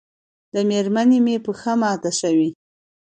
د مېرمنې مې پښه ماته شوې